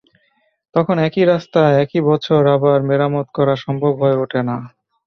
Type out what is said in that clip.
তখন একই রাস্তা একই বছর আবার মেরামত করা সম্ভব হয়ে ওঠে না।